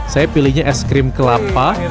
saya pilihnya es krim kelapa